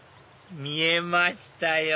見えましたよ